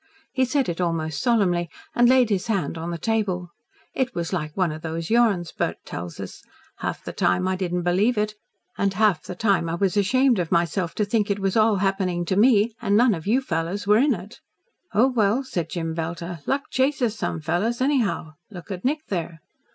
He said it almost solemnly, and laid his hand on the table. "It was like one of those yarns Bert tells us. Half the time I didn't believe it, and half the time I was ashamed of myself to think it was all happening to me and none of your fellows were in it." "Oh, well," said Jem Belter, "luck chases some fellows, anyhow. Look at Nick, there."